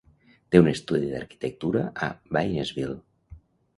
Té un estudi d'arquitectura a Waynesville.